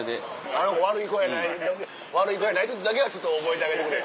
あの子悪い子やないのだけはちょっと覚えてあげてくれ。